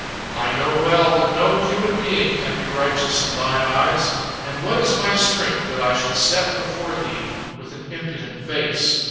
I know well that no human being can be righteous in Thine eyes, and what is my strength that I should step before Thee with an impudent face?